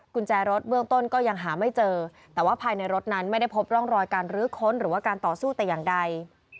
กุญแจรถเบื้องต้นก็ยังหาไม่เจอแต่ว่าภายในรถนั้นไม่ได้พบร่องรอยการรื้อค้นหรือว่าการต่อสู้แต่อย่างใด